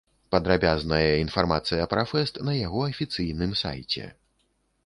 Падрабязная інфармацыя пра фэст на яго афіцыйным сайце.